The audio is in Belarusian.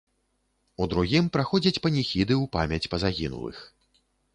У другім праходзяць паніхіды ў памяць па загінулых.